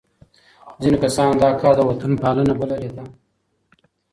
ځينو کسانو دا کار وطن پالنه بللې ده.